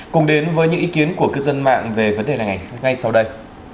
cùng đến với những ý kiến của cư dân mạng về vấn đề này ngay sau đây